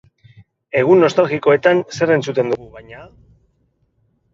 Egun nostalgikoetan zer entzuten dugu, baina?